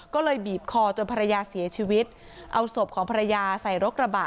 ก็เลยบีบคอจนภรรยาเสียชีวิตเอาศพของภรรยาใส่รถกระบะ